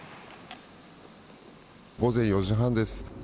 午前４時半です。